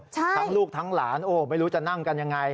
ทั้งลูกทั้งหลานโอ้ไม่รู้จะนั่งกันยังไง